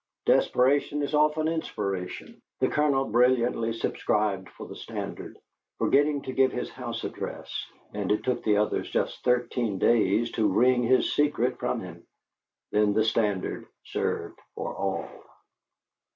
Desperation is often inspiration; the Colonel brilliantly subscribed for the Standard, forgetting to give his house address, and it took the others just thirteen days to wring his secret from him. Then the Standard served for all.